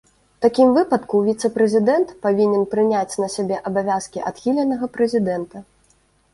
У такім выпадку віцэ-прэзідэнт павінен прыняць на сябе абавязкі адхіленага прэзідэнта.